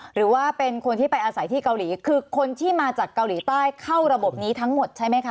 หรือว่าเป็นคนที่ไปอาศัยที่เกาหลีคือคนที่มาจากเกาหลีใต้เข้าระบบนี้ทั้งหมดใช่ไหมคะ